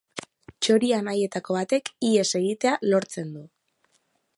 Txori Anaietako batek ihes egitea lortzen du.